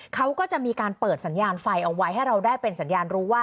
เขาก็จะมีการเปิดสัญญาณไฟเอาไว้ให้เราได้เป็นสัญญาณรู้ว่า